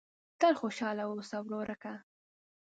تل خوشاله اوسه ورورکه !